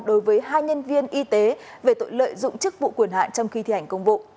đối với hai nhân viên y tế về tội lợi dụng chức vụ quyền hạn trong khi thi hành công vụ